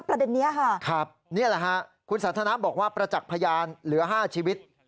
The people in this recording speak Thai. ครับนี่แหละค่ะคุณสันทนัพบอกว่าประจักษ์พยานเหลือ๕ชีวิต